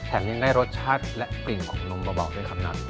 แถมนี้ได้รสชาติและกลิ่นของนมเบาด้วยครับนั้น